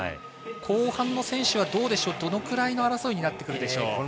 後半の選手はどのくらいの争いになってくるでしょう？